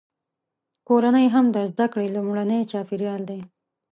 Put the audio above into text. کورنۍ هم د زده کړې لومړنی چاپیریال دی.